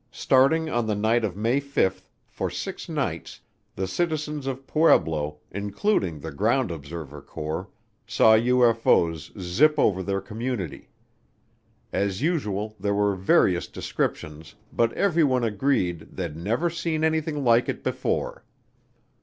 Starting on the night of May 5th, for six nights, the citizens of Pueblo, including the Ground Observer Corps, saw UFO's zip over their community. As usual there were various descriptions but everyone agreed "they'd never seen anything like it before."